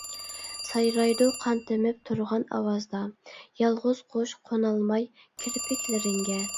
سايرايدۇ قان تېمىپ تۇرغان ئاۋازدا، يالغۇز قۇش قونالماي كىرپىكلىرىڭگە.